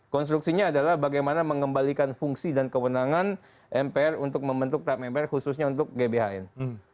konstruksinya adalah bagaimana mengembalikan fungsi dan kewenangan mpr untuk membentuk tap mpr khususnya untuk gbhn